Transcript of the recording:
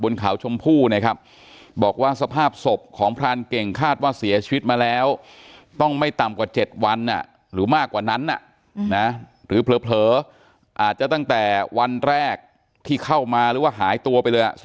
บนข่าวชมพู่นะครับบอกว่าสภาพศพของพรานเก่งคาดว่าเสียชีวิตมาแล้ว